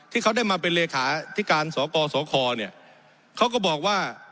ที่เขาได้มาเป็นเลขาธิการสกสคเนี่ยเขาก็บอกว่า